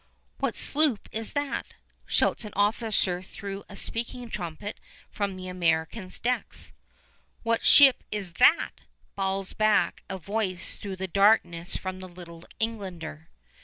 "What sloop is that?" shouts an officer through a speaking trumpet from the American's decks. "What ship is that?" bawls back a voice through the darkness from the little Englander.